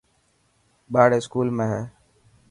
ٻاڙ اسڪول ۾ هي.